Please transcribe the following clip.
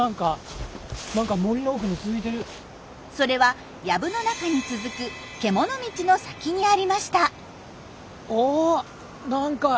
それはやぶの中に続く獣道の先にありました。